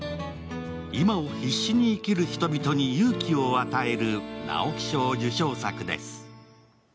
今を必死に生きる人々に勇気を与える直木賞受賞作です。